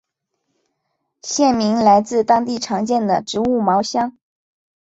县名来自当地常见的植物茅香。